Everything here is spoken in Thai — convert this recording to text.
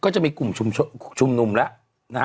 ชุมนุมแล้วนะฮะ